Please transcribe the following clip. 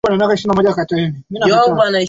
mwili wa strauss uligunduliwa kwa pete ya harusi